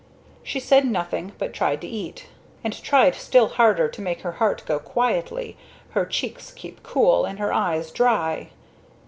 She said nothing, but tried to eat; and tried still harder to make her heart go quietly, her cheeks keep cool, and her eyes dry.